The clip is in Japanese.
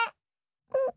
うん。